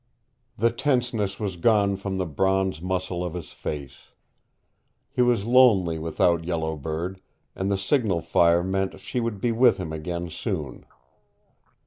The tenseness was gone from the bronze muscles of his face. He was lonely without Yellow Bird, and the signal fire meant she would be with him again soon.